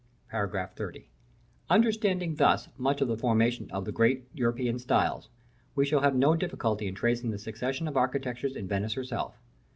§ XXX. Understanding thus much of the formation of the great European styles, we shall have no difficulty in tracing the succession of architectures in Venice herself.